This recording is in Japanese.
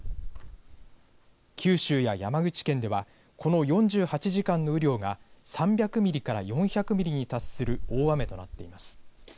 九州や山口県ではこの４８時間の雨量が３００ミリから４００ミリに達する大雨となっています。